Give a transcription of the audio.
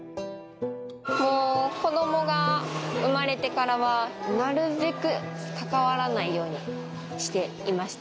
もう子どもが生まれてからはなるべく関わらないようにしていました。